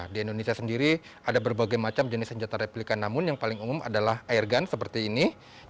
di indonesia sendiri ada berbagai macam jenis senjata replika namun yang paling umum adalah airgun seperti ini